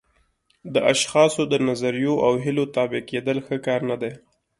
د اشخاصو د نظریو او هیلو تابع کېدل ښه کار نه دی.